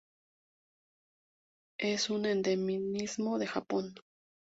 Es un endemismo de Japón